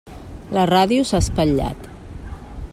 La ràdio s'ha espatllat.